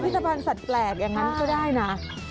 อ้อพิธภัณฑ์สัตว์แปลกอย่างนั้นก็ได้นะ